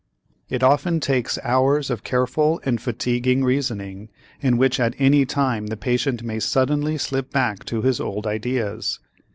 It often takes hours of careful and fatiguing reasoning, in which at any time the patient may suddenly slip back to his old ideas.